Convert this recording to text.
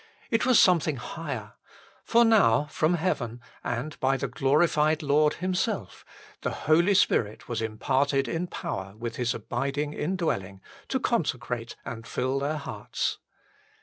It was something higher : for now from heaven, and by the glorified Lord Himself, the Holy Spirit was imparted in power with His abiding indwelling, to consecrate and fill their hearts.